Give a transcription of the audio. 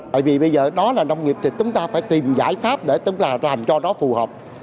bởi vì bây giờ đó là nông nghiệp thì chúng ta phải tìm giải pháp để tức là làm cho nó phù hợp